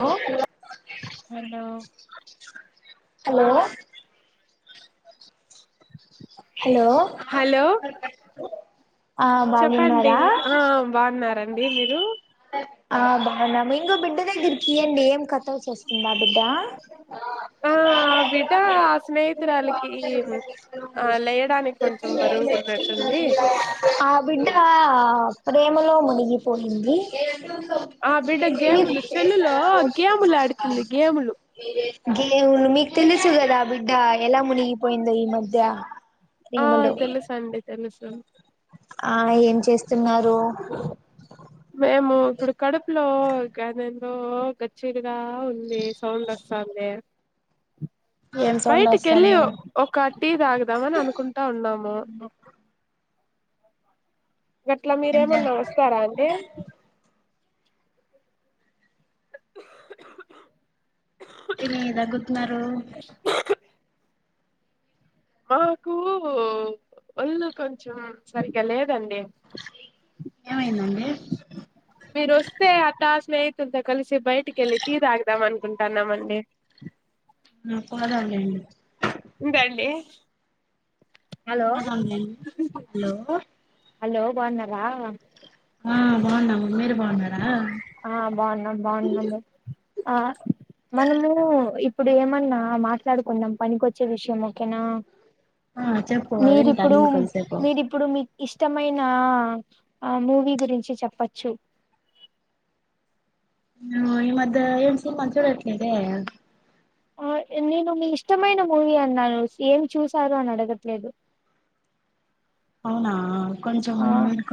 ఓ hello hello hello hello ఆ చెప్పండి బాగున్నారా ఆ బాగున్నర్ అండి మీరు ఆ బాగున్నం ఇంగో బిడ్డ దగ్గరికి ఈయండి ఏం కాదు ఆ ఆ బిడ్డ ఆ స్నేహితురాలికి ఆ లేయడానికి కొంచెం బరువుగా ఉన్నట్టుంది హ బిడ్డా [inaudible] ప్రేమలో మునిగిపోయింది ఆ బిడ్డ గేములు చెల్లులో గేములు ఆడుతుంది గేములు గేమ్ మీకు తెలుసు గదా బిడ్డ ఎలా మునిగిపోఇందో ఈ మధ్య ఆ ప్రేమలో తెలుసు అండి తెలుసు మ్మ్ ఆ ఏం చేస్తున్నారు మేము ఇప్పుడు కడుపులో [unintelligible] ఓ గచ్చిలుగా ఉంది సౌండ్ వస్తుందే ఏం సౌండ్ బయటికి వెళ్ళి వస్తుంది ఒక టీ తాగుదామని అనుకుంటా ఉన్నాము గట్లా ఏం మీరేమన్నా వస్తారా అంటీ నే దగ్గుతున్నారు మాకు ఒళ్ళు కొంచెం సరిగా లేదండి ఏమైందండి స్నేహితుల్తో కలిసి బయటికి వెల్లి టీ తాగుదాం అన్కుంటానమండి ఆ పోదాంలెండి ఇంకండి హలో హలో బాగున్నారా ఆ బాగున్నామ్ ఆ బాగున్నాం బాగున్నాము ఆ మనము ఇప్పుడు ఏమన్నా మాట్లాడుకుందాం పనికిచ్చే విషయం ఓకేనా ఆ చెప్పు వింటాను మీరిప్పుడు ఇంకొంసేపు మీరిప్పుడు మీ ఇష్టమైన మూవీ గురించి చెప్పచ్చు ఆ ఈ మధ్య ఏం సినిమా చూడట్లేదే ఆ నేను మీ ఇష్టమైన మూవీ అన్నాను ఏమి చూసారో అని అడగట్లేదు అవునా కొంచం ఆ